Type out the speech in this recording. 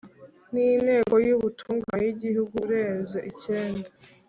n Inteko y Ubutungane y Igihugu urenze icyenda